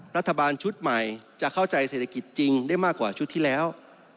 รัฐบาลชุดใหม่จะเข้าใจเศรษฐกิจจริงได้มากกว่าชุดที่แล้ว